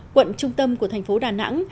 quận trung tâm của thành phố đà nẵng